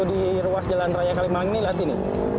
di ruas jalan raya kalimalang ini lihat ini